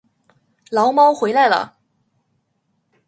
牢猫回来了